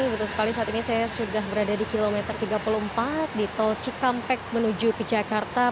betul sekali saat ini saya sudah berada di kilometer tiga puluh empat di tol cikampek menuju ke jakarta